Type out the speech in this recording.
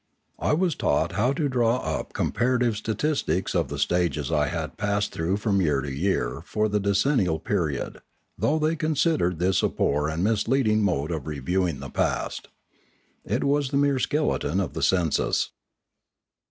I was taught to draw up comparative statistics of the stages I had passed through from year to year for the decennial period, though they considered this a poor and misleading mode of reviewing the past. It was the mere skeleton of the census.